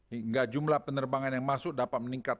hingga jumlah penerbangan yang masuk dapat meningkat